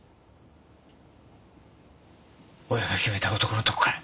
親が決めた男のとこかい？